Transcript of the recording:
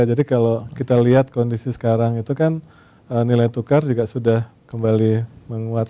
jadi kalau kita lihat kondisi sekarang itu kan nilai tukar juga sudah kembali menguat